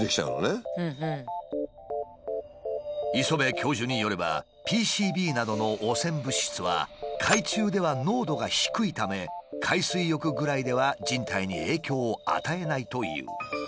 磯辺教授によればＰＣＢなどの汚染物質は海中では濃度が低いため海水浴ぐらいでは人体に影響を与えないという。